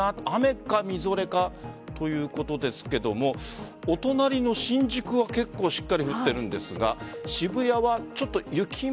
雨かみぞれかということですけどもお隣の新宿は結構しっかり降っているんですが渋谷はちょっと。